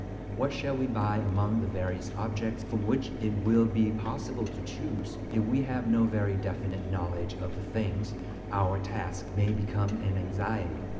What shall we buy among the various objects from which it will be possible to choose? If we have no very definite knowledge of the things, our task may become an anxiety.